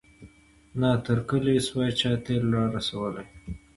نه تر کلي سوای چا تېل را رسولای